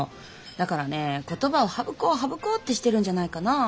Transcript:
だからね言葉を省こう省こうってしてるんじゃないかな。